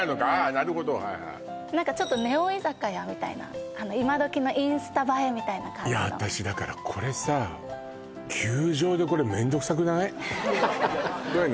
なるほどはいはいちょっとネオ居酒屋みたいな今どきのインスタ映えみたいな感じの私だからこれさ球場でこれめんどくさくない？